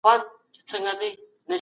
همدا اوس چي د آرام سفر پر لار یاست